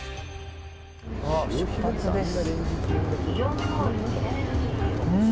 出発です。